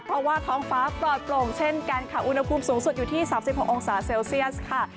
เพราะว่าท้องฟ้าปลอดโปร่งเช่นกันค่ะอุณหภูมิสูงสุดอยู่ที่๓๖องศาเซลเซียสค่ะ